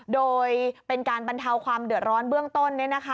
โดยเป็นการบรรเทาความเดือดร้อนเบื้องต้น